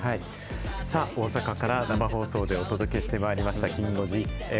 さあ、大阪から生放送でお届けしてまいりました、きん５時。